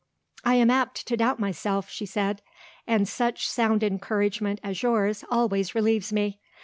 "I am apt to doubt myself," she said; "and such sound encouragement as yours always relieves me.